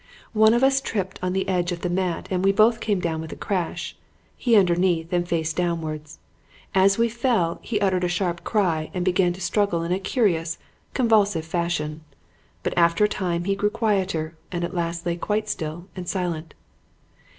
"One of us tripped on the edge of the mat and we both came down with a crash, he underneath and face downwards. As we fell, he uttered a sharp cry and began to struggle in a curious, convulsive fashion; but after a time he grew quieter and at last lay quite still and silent.